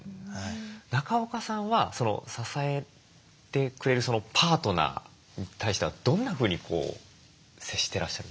中岡さんは支えてくれるパートナーに対してはどんなふうに接してらっしゃるんですか？